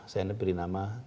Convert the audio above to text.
saya beri nama